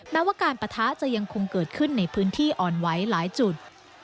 แม้ว่าการปะทะจะยังคงเกิดขึ้นในพื้นที่อ่อนไหวหลายจุด